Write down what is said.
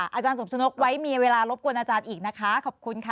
อาจารย์สมชนกไว้มีเวลารบกวนอาจารย์อีกนะคะขอบคุณค่ะ